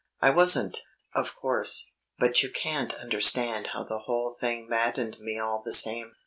I wasn't, of course, but you can't understand how the whole thing maddened me all the same.